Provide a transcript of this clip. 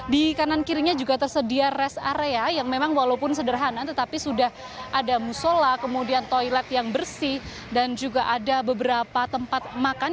di kanan kirinya juga tersedia rest area yang memang walaupun sederhana tetapi sudah ada musola kemudian toilet yang bersih dan juga ada beberapa tempat makan